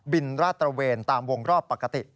ราดตระเวนตามวงรอบปกติ